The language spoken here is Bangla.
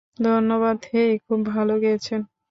ধন্যবাদ হেই, খুব ভালো গেয়েছেন।